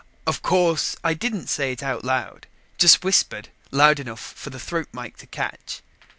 Of course I didn't say it out loud, just whispered loud enough for the throat mike to catch.